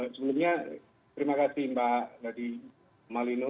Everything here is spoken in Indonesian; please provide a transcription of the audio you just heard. sebelumnya terima kasih mbak dadi malino